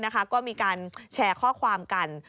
ก็มีการแชร์ข้อความกัน